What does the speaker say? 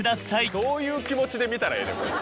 どういう気持ちで見たらええねんこれ。